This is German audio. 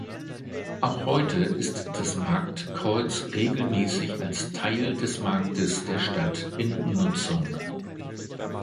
Auch heute ist das Marktkreuz regelmäßig als Teil des Marktes der Stadt in Nutzung.